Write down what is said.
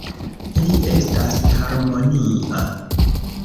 Li estas harmonia.